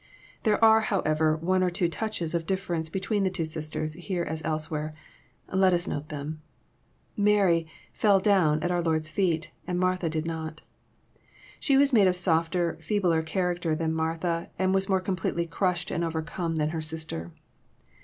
There are, however, one or two touches of difl'er ence between the two sisters, here as elsewhere. Let us note them. Mary <*fell down "at our Lord's feet, and Martha did not. She was made of softer, feebler character than Martha, and was more completely crushed and overcome than her sister.